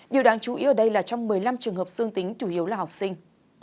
điều đáng chú ý ở đây là trong một mươi năm trường hợp dương tính chủ yếu là học sinh